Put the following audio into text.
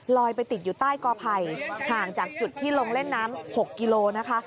ไปติดอยู่ใต้กอไผ่ห่างจากจุดที่ลงเล่นน้ำ๖กิโลนะคะ